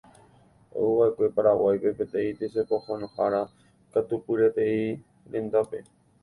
Ouva'ekue Paraguaýpe peteĩ tesapohãnohára katupyryete rendápe